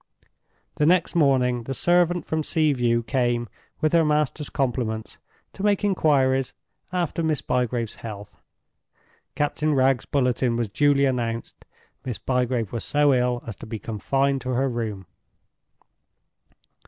The next morning the servant from Sea View came, with her master's compliments, to make inquiries after Miss Bygrave's health. Captain Wragge's bulletin was duly announced—Miss Bygrave was so ill as to be confined to her room.